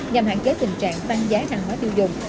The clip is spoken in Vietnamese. nhằm hạn chế tình trạng tăng giá hàng hóa tiêu dùng